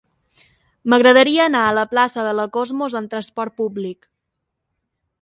M'agradaria anar a la plaça de la Cosmos amb trasport públic.